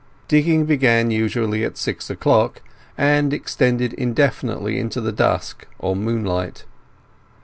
Digging began usually at six o'clock and extended indefinitely into the dusk or moonlight.